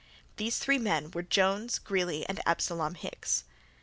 These three men were—Jones, Greely, and Absolom Hicks.